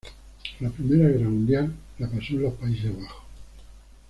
La Primera Guerra Mundial, la pasó en los Países Bajos.